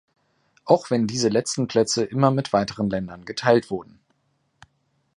Auch wenn diese letzten Plätze immer mit weiteren Ländern geteilt wurden.